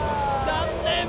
残念！